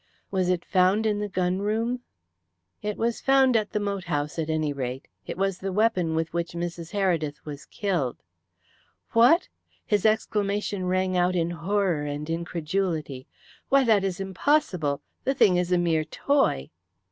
Was it found in the gun room?" "It was found at the moat house, at any rate. It was the weapon with which Mrs. Heredith was killed." "What!" His exclamation rang out in horror and incredulity. "Why, it is impossible. The thing is a mere toy."